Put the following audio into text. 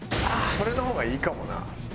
それの方がいいかもな。